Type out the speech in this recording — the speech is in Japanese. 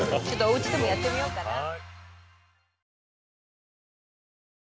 おうちでもやってみようかな。